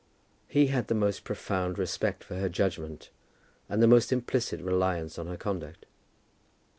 He had the most profound respect for her judgment, and the most implicit reliance on her conduct.